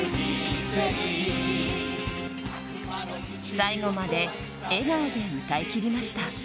最後まで笑顔で歌い切りました。